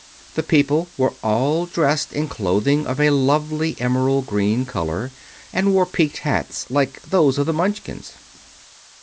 The people were all dressed in clothing of a lovely emerald green color and wore peaked hats like those of the Munchkins.